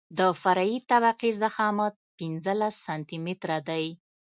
د فرعي طبقې ضخامت پنځلس سانتي متره دی